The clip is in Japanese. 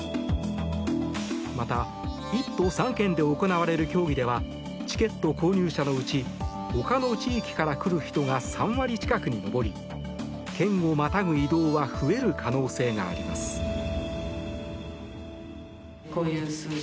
また１都３県で行われる競技ではチケット購入者のうちほかの地域から来る人が３割近くに上り県をまたぐ移動は増える可能性があります。